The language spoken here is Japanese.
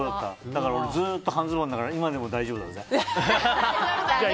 だから俺、ずっと半ズボンだから今でも大丈夫だぜ。